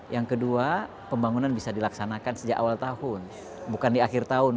yang kedua pembangunan bisa dilaksanakan sejak awal tahun bukan di akhir tahun